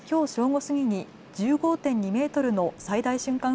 午過ぎに１５．２メートルの最大瞬間